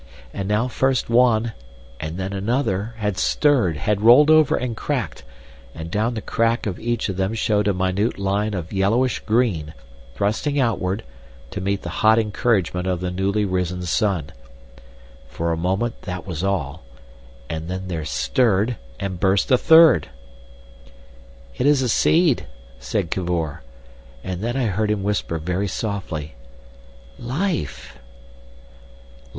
And now first one and then another had stirred, had rolled over and cracked, and down the crack of each of them showed a minute line of yellowish green, thrusting outward to meet the hot encouragement of the newly risen sun. For a moment that was all, and then there stirred, and burst a third! "It is a seed," said Cavor. And then I heard him whisper very softly, "_Life!